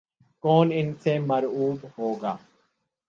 کون ان سے مرعوب ہوگا۔